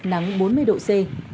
nắng bốn mươi độ c